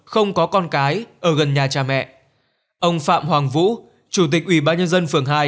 không có con cái ở gần nhà cha mẹ ông phạm hoàng vũ chủ tịch ubnd phường hai